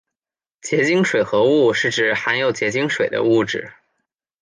结晶水合物是指含有结晶水的物质。